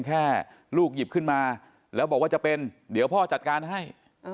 แค่ลูกหยิบขึ้นมาแล้วบอกว่าจะเป็นเดี๋ยวพ่อจัดการให้